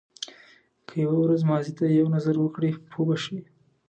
که یو ورځ ماضي ته یو نظر وکړ پوه به شې.